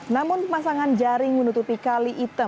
namun pemasangan jaring menutupi kali ite